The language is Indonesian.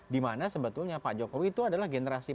dimana sebetulnya pak jokowi itu adalah generasi